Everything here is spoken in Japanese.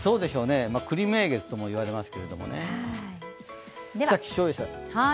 くり名月とも言われますけどね。